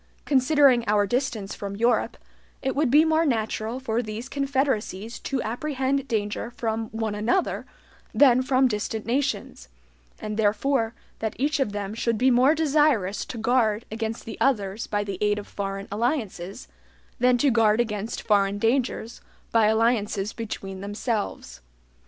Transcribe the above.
Considering our distance from Europe, it would be more natural for these confederacies to apprehend danger from one another than from distant nations, and therefore that each of them should be more desirous to guard against the others by the aid of foreign alliances, than to guard against foreign dangers by alliances between themselves.